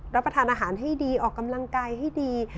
รับประทานอาหารให้ดีออกกำลังกายให้ดี